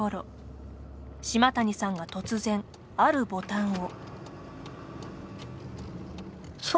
島谷さんが突然あるボタンを。